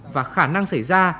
và khả năng xảy ra